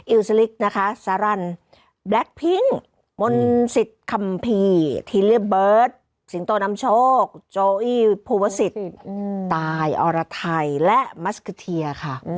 สลิกนะคะสารันแบล็คพิ้งมนต์สิทธิ์คัมภีร์ทีเรียเบิร์ตสิงโตนำโชคโจอี้ภูวสิทธิ์ตายอรไทยและมัสกะเทียค่ะ